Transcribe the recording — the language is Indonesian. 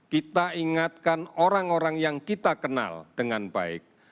kita ingatkan orang orang yang kita kenal dengan baik